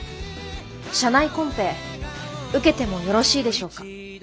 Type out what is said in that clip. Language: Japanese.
社内コンペ受けてもよろしいでしょうか。